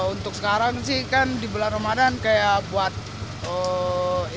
untuk sekarang sih kan di bulan ramadan kayak buat